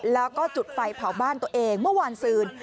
แล้วก็จุดไฟเผาบ้านตัวเองเมื่อวานซืน